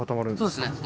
そうですね。